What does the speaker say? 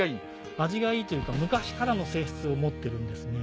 味がいいというか昔からの性質を持ってるんですね。